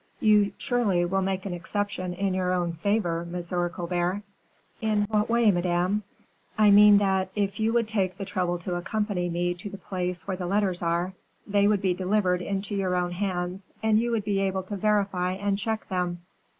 "You surely will make an exception in your own favor, Monsieur Colbert?" "In what way, madame?" "I mean that, if you would take the trouble to accompany me to the place where the letters are, they would be delivered into your own hands, and you would be able to verify and check them."